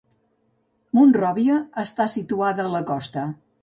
Monròvia està situada a la costa.